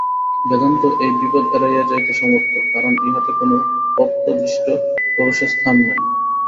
বেদান্ত এই বিপদ এড়াইয়া যাইতে সমর্থ, কারণ ইহাতে কোন প্রত্যাদিষ্ট পুরুষের স্থান নাই।